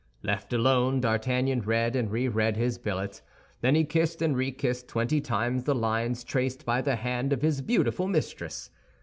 Left alone, D'Artagnan read and reread his billet. Then he kissed and rekissed twenty times the lines traced by the hand of his beautiful mistress.